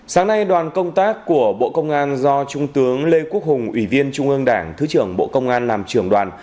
sáng nay đoàn công tác của bộ công an do trung tướng lê quốc hùng ủy viên trung ương đảng thứ trưởng bộ công an làm trưởng đoàn